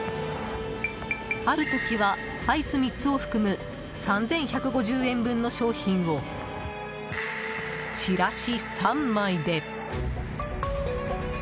ある時は、アイス３つを含む３１５０円分の商品をチラシ３枚で。